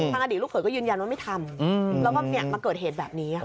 อดีตลูกเขยก็ยืนยันว่าไม่ทำแล้วก็มาเกิดเหตุแบบนี้